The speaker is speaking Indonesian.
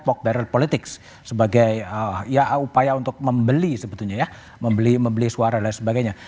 pocker politik sebagai upaya untuk membeli sebetulnya ya membeli suara dan sebagainya